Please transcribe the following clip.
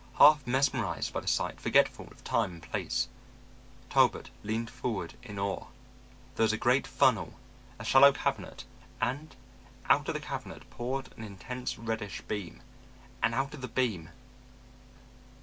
Half mesmerized by the sight, forgetful of time and place, Talbot leaned forward in awe. There was a great funnel, a shallow cabinet, and out of the cabinet poured an intense reddish beam, and out of the beam....